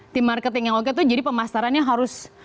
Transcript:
tim marketing yang oke itu jadi pemasarannya harus